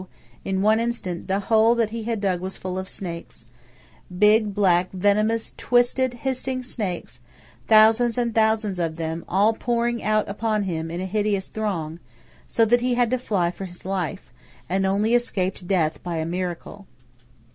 in one instant, the hole that he had dug was full of snakes–big, black, venomous, twisted, hissing snakes, thousands and thousands of them, all pouring out upon him in a hideous throng, so that he had to fly for his life, and only escaped death by a miracle!